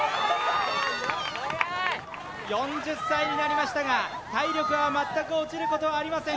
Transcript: ４０歳になりましたが体力は全く落ちることはありません